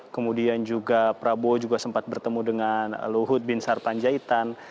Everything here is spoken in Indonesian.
kemudian juga prabowo juga sempat bertemu dengan luhut bin sarpanjaitan